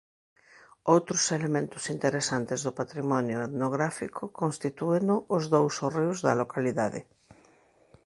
Outros elementos interesantes do patrimonio etnográfico constitúeno os dous hórreos da localidade.